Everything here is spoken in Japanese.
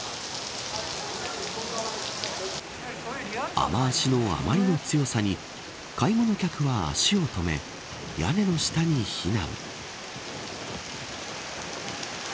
雨脚のあまりの強さに買い物客は足を止め屋根の下に避難。